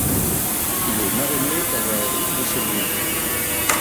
Il est marrainé par la ville de Saumur.